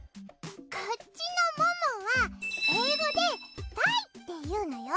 こっちのももはえいごでＴｈｉｇｈっていうのよ。